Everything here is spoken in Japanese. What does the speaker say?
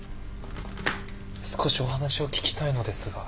少しお話を聞きたいのですが。